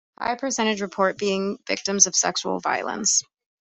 A high percentage report being victims of sexual violence.